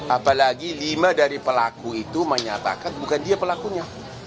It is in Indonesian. apalagi lima dari pelaku itu menyatakan bukan dia pelakunya